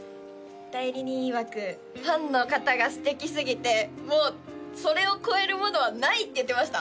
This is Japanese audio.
代理人いわくファンの方が素敵すぎてもうそれを超えるものはないって言ってました